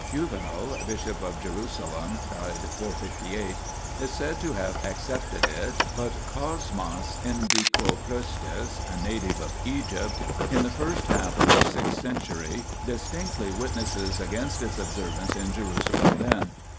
Juvenal, bishop of Jerusalem (f458), is said to have accepted it, but Cosmas Indicopleustes, a native of Egypt, in the first half of the sixth century, distinctly witnesses against its observance in Jerusalem then.